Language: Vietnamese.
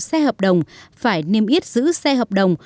xe hợp đồng phải niêm yết giữ xe hợp đồng